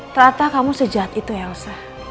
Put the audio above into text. ternyata kamu sejahat itu ya usah